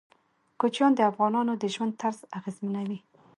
کوچیان د افغانانو د ژوند طرز اغېزمنوي.